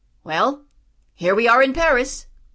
Well, here we are in Paris!"